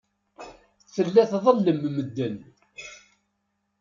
Tella tḍellem medden.